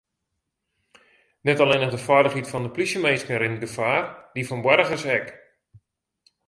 Net allinnich de feilichheid fan de plysjeminsken rint gefaar, dy fan boargers ek.